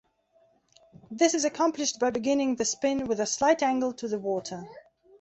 This is accomplished by beginning the spin with a slight angle to the water.